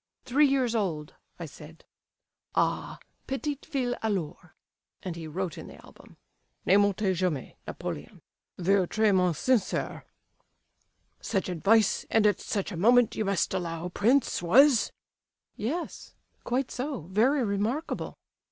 'Three years old,' I said. 'Ah, petite fille alors!' and he wrote in the album: "'Ne mentez jamais! NAPOLÉON (votre ami sincère).' "Such advice, and at such a moment, you must allow, prince, was—" "Yes, quite so; very remarkable."